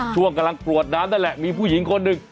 ช่วงกำลังกรวดน้ำนั่นแหละมีผู้หญิงคนหนึ่ง